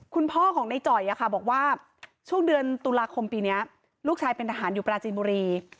คุณพ่อของในจ่อยบอกว่าช่วงเดือนตุลาคมปีนี้ลูกชายเป็นทหารอยู่ปราจีนบุรี